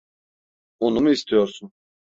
Onu mu istiyorsun?